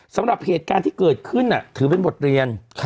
สำหรับเหตุการณ์ที่เกิดขึ้นถือเป็นบทเรียน